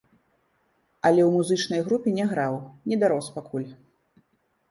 Але ў музычнай групе не граў, не дарос пакуль.